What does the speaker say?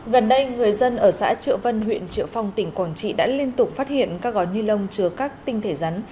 gần đây người dân ở xã triệu vân huyện triệu phong tỉnh quảng trị đã liên tục phát hiện các gói ni lông chứa các tinh thể rắn